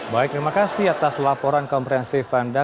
baik terima kasih atas laporan komprehensif anda